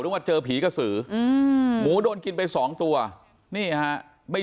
ว่าเจอผีกระสืออืมหมูโดนกินไปสองตัวนี่ฮะไม่